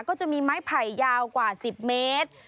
จะมีไม้ไผ่ยาวกว่า๑๐เมตร